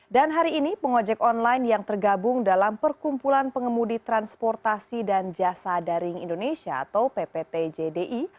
dan hari ini pengojek online yang tergabung dalam perkumpulan pengemudi transportasi dan jasa daring indonesia atau pptjdi